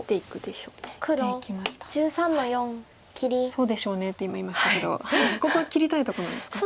「そうでしょうね」って今言いましたけどここは切りたいところなんですか？